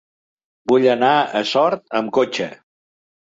Vull anar a Sort amb cotxe.